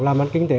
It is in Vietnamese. làm ăn kinh tế